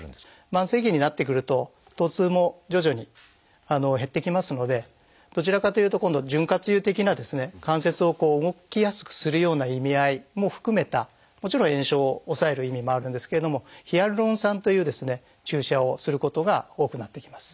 慢性期になってくると疼痛も徐々に減ってきますのでどちらかというと今度は潤滑油的な関節をこう動きやすくするような意味合いも含めたもちろん炎症を抑える意味もあるんですけれどもヒアルロン酸という注射をすることが多くなってきます。